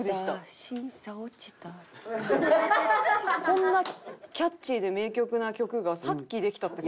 こんなキャッチーで名曲な曲がさっきできたって。